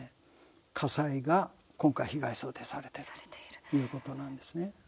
火災が今回、被害想定されているということなんですね。